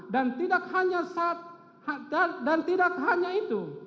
dan tidak hanya itu